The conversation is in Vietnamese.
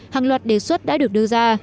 hàng loạt đề xuất đã được đưa ra